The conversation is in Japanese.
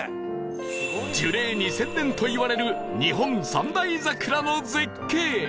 樹齢２０００年といわれる日本三大桜の絶景